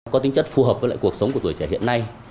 có tính chất phù hợp với lại cuộc sống của tuổi trẻ hiện nay